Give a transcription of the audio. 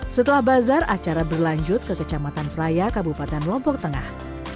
setelah bazar acara berlanjut ke kecamatan praya kabupaten lombok tengah